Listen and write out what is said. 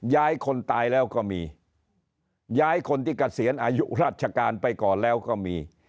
ย้ายคนตายแล้วก็มีย้ายคนที่เกษียณอายุราชการไปก่อนแล้วก็มี